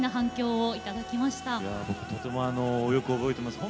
いや僕とてもよく覚えてます。